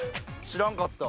知らんかった。